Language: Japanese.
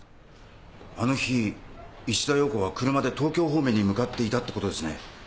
あの日石田洋子は車で東京方面に向かっていたってことですね？